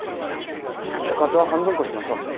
おかずは半分こしましょう。